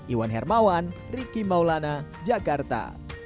iwan hermawan riki maulana jakarta